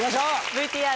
ＶＴＲ。